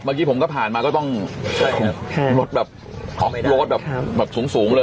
เมื่อกี้ผมก็ผ่านมาก็ต้องรถแบบรถแบบสูงเลย